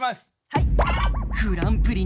はい。